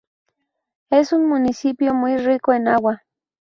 Es un municipio muy rico en agua.